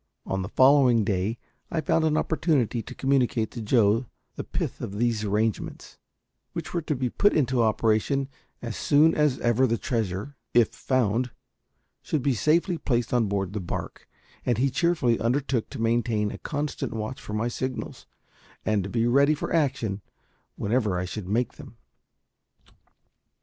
On the following day I found an opportunity to communicate to Joe the pith of these arrangements which were to be put into operation as soon as ever the treasure, if found, should be safely placed on board the barque and he cheerfully undertook to maintain a constant watch for my signals, and to be ready for action whenever I should make them.